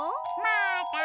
まだ！